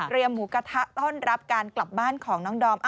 หมูกระทะต้อนรับการกลับบ้านของน้องดอม